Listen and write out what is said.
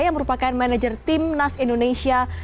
yang merupakan manajer timnas indonesia